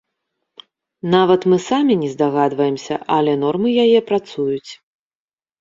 Нават мы самі не здагадваемся, але нормы яе працуюць.